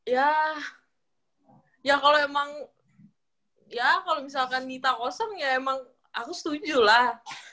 ya ya kalau emang ya kalau misalkan nita kosong ya emang aku setuju lah